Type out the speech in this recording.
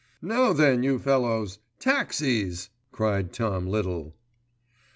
"Now then you fellows, taxis," cried Tom Little.